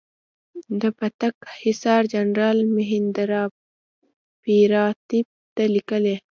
د پتک حصار جنرال مهیندراپراتاپ ته لیکلي.